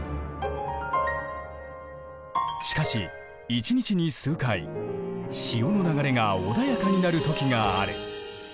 しかし１日に数回潮の流れが穏やかになる時がある。